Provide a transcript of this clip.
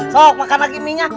sok makan lagi mie nya